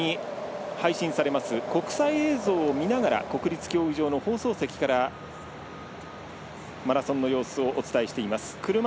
各国に配信されます国際映像を見ながら国立競技場の放送席からマラソンの様子をお伝えしています。